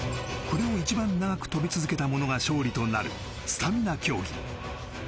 これを一番長く跳び続けた者が勝利となるスタミナ競技